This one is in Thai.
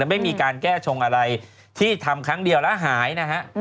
ไม่มีการแก้ชงอะไรที่ทำครั้งเดียวแล้วหายนะฮะ